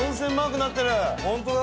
本当だ！